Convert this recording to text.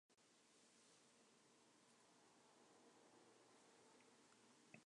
Neofolk musicians often have ties to other genres such as martial industrial.